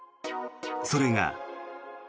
それが。